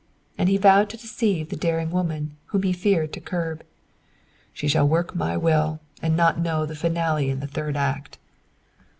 And he vowed to deceive the daring woman whom he feared to curb. "She shall work my will and not know the finale in the third act."